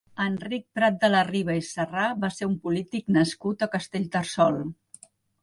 Enric Prat de la Riba i Sarrà va ser un polític nascut a Castellterçol.